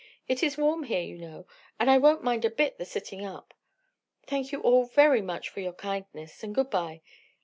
It is warm here, you know, and I won't mind a bit the sitting up. Thank you all very much for your kindness, and good bye.